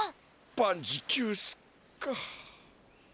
万事休すか。